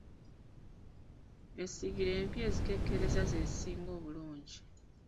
Essigiri empya ezikekereza ze zisinga obulungi.